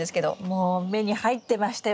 もう目に入ってましたよ。